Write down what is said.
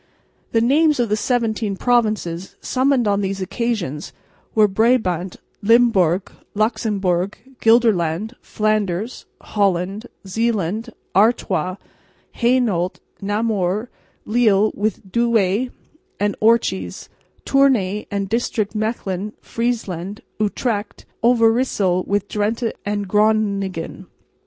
The names of the seventeen provinces summoned on these occasions were Brabant, Limburg, Luxemburg, Gelderland, Flanders, Holland, Zeeland, Artois, Hainault, Namur, Lille with Douay and Orchies, Tournay and district, Mechlin, Friesland, Utrecht, Overyssel with Drente and Groningen.